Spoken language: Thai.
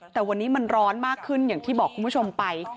แต่วันนี้มันร้อนมากขึ้นอย่างที่บอกคุณผู้ชมไป